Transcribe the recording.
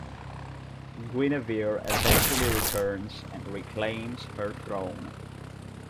Guinevere eventually returns and reclaims her throne.